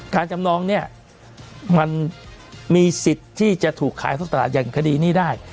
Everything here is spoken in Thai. จำนองเนี่ยมันมีสิทธิ์ที่จะถูกขายท่อตลาดอย่างคดีนี้ได้